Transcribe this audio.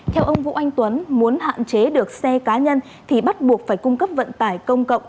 theo ông vũ anh tuấn muốn hạn chế được xe cá nhân thì bắt buộc phải cung cấp vận tải công cộng